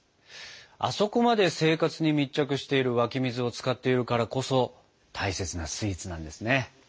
あそこまで生活に密着している湧き水を使っているからこそ大切なスイーツなんですね。